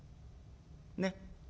ねっ？